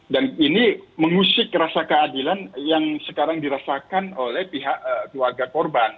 dan ini mengusik rasa keadilan yang sekarang dirasakan oleh pihak keluarga korban